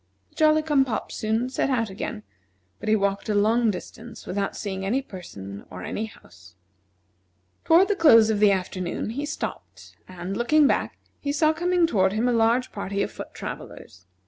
The Jolly cum pop soon set out again, but he walked a long distance without seeing any person or any house. Toward the close of the afternoon he stopped, and, looking back, he saw coming toward him a large party of foot travellers.